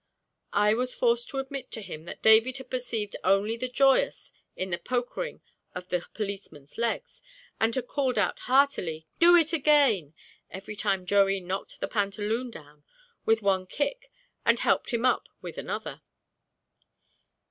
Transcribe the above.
I was forced to admit to him that David had perceived only the joyous in the pokering of the policeman's legs, and had called out heartily "Do it again!" every time Joey knocked the pantaloon down with one kick and helped him up with another.